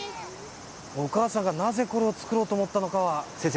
お母さんがなぜこれを作ろうと思ったのかは先生